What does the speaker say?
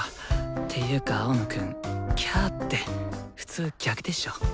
ていうか青野くん「きゃ」って普通逆でしょ。